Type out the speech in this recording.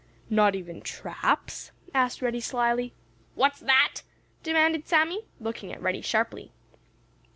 "Not even traps?" asked Reddy slyly. "What's that?" demanded Sammy, looking at Reddy sharply.